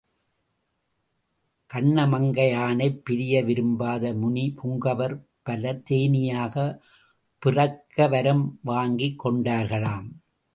கண்ணமங்கையானைப் பிரிய விரும்பாத முனி புங்கவர் பலர் தேனீயாகப் பிறக்கவரம் வாங்கிக் கொண்டார்களாம்.